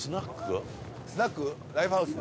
スナック？ライブハウス？